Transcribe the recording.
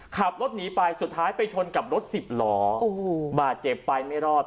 ขับรถหนีไปสุดท้ายไปชนกับรถสิบล้อโอ้โหบาดเจ็บไปไม่รอด